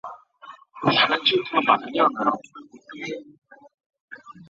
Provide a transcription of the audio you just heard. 统一后的德国是如今唯一没有获得过奥运会金牌的世界杯冠军。